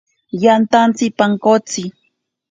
Yantatsi pankotsi.